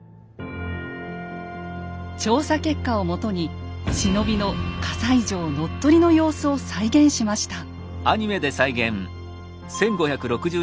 調査結果をもとに忍びの西城乗っ取りの様子を再現しました。